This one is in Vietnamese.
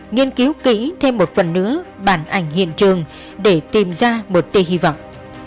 nghiên cứu kỹ thêm một phần nữa bản ảnh hiện trường để tìm ra một tia hy vọng